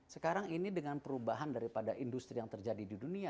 sekarang ini dengan perubahan daripada industri yang terjadi di dunia